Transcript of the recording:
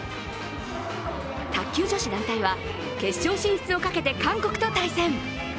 卓球女子団体は決勝進出を賭けて韓国と対戦。